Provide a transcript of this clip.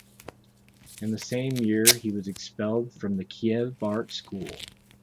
In the same year he was expelled from the Kiev Art School.